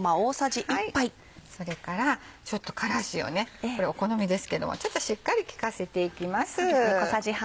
それからちょっと辛子をこれお好みですけどもちょっとしっかり利かせていきます。